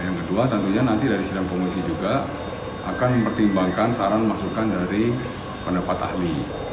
yang kedua tentunya nanti dari sidang komisi juga akan mempertimbangkan saran masukan dari pendapat ahli